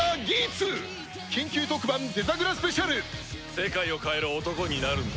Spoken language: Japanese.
世界を変える男になるんだ。